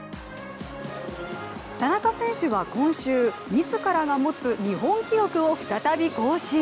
田中選手は今週、自らが持つ日本記録を再び更新。